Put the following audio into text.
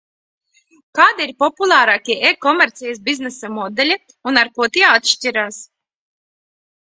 Kādi ir populārākie e-komercijas biznesa modeļi un ar ko tie atšķiras?